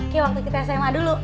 ki waktu kita sma dulu